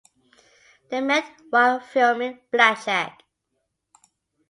They met while filming "Blackjack".